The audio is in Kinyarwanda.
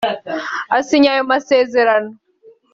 asinya ayo masezerano